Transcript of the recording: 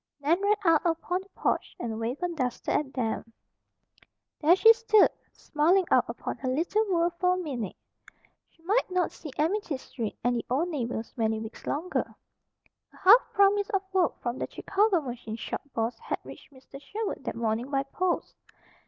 Nan ran out upon the porch and waved her duster at them. There she stood, smiling out upon her little world for a minute. She might not see Amity Street, and the old neighbors, many weeks longer. A half promise of work from the Chicago machine shop boss had reached Mr. Sherwood that morning by post.